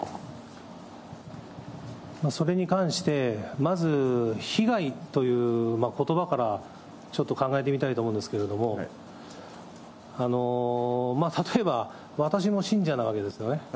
それに関して、まず被害ということばから、ちょっと考えてみたいと思うんですけれども、例えば、私も信者なわけですよね。